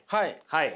はい。